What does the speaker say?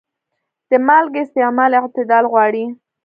د مالګې استعمال اعتدال غواړي.